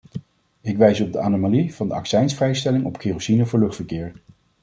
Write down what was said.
Ik wijs op de anomalie van de accijnsvrijstelling op kerosine voor luchtverkeer.